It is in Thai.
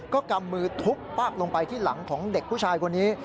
ก็กำมือทุบปากลงไปที่หลังของเด็กผู้ชายคนนี้